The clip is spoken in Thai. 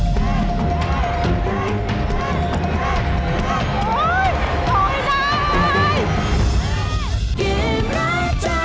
นึกถึง